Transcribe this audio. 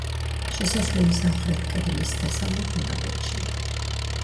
შესასვლელი სამხრეთ კედლის დასავლეთ მონაკვეთშია.